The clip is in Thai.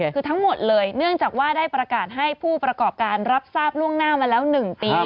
คือทั้งหมดเลยเนื่องจากว่าได้ประกาศให้ผู้ประกอบการรับทราบล่วงหน้ามาแล้ว๑ปี